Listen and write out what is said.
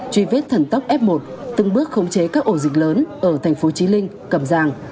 truy vết thần tốc f một từng bước khống chế các ổ dịch lớn ở thành phố trí linh cầm giang